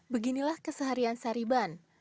beginilah keseharian sariban